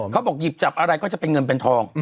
เขาบอกหยิบจับอะไรก็จะเป็นเงินเป็นทอง